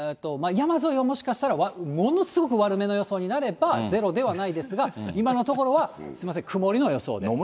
山沿いはもしかしたら、ものすごく悪めの予想になれば、ゼロではないですが、今のところはすみません、曇りの予想で。